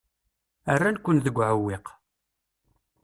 Rran-ken deg uɛewwiq.